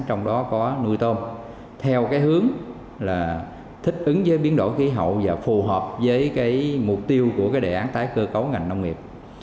trong đó có nuôi tôm theo hướng thích ứng với biến đổi khí hậu và phù hợp với mục tiêu của đề án tái cơ cấu ngành nông nghiệp